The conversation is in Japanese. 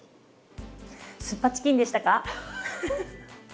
酢っぱチキンでしたか？